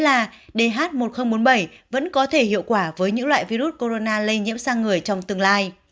đó là dh một nghìn bốn mươi bảy vẫn có thể hiệu quả với những loại virus corona lây nhiễm sang người trong tương lai